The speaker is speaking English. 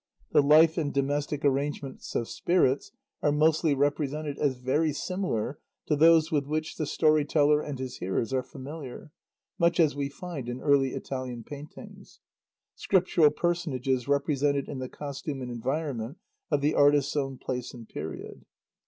The life and domestic arrangements of "spirits" are mostly represented as very similar to those with which the story teller and his hearers are familiar, much as we find, in early Italian paintings, Scriptural personages represented in the costume and environment of the artist's own place and period.